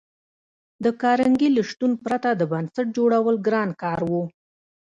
د کارنګي له شتون پرته د بنسټ جوړول ګران کار و